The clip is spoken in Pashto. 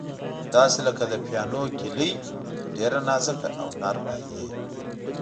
داسې لکه د پیانو کیلۍ، ډېره نازکه او نرمه یې.